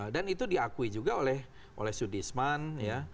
dan itu diakui juga oleh sudi isman ya